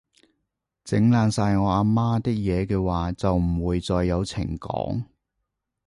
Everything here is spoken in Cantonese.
整爛晒我阿媽啲嘢嘅話，就唔會再有情講